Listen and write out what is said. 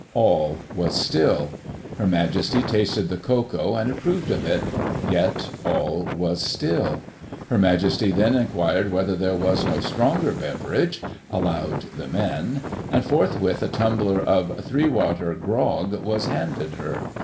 All was still. Her Majesty tasted the cocoa, and approved of it — ^yet all was still. Her Majesty then inquired whether there was no stronger bever age allowed the men, and forthwith a tumbler of * three water grog ' was handed her.